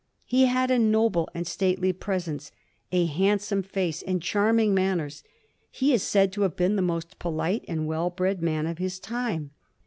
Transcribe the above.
He had a noble and stately presence, a handsome face, and charming manners. He is said to have been the most polite and weU bred man of his time.